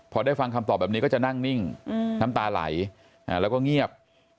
พอได้ฟังคำตอบแบบนี้ก็จะนั่งนิ่งน้ำตาไหลแล้วก็เงียบ